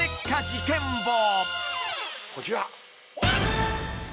こちら。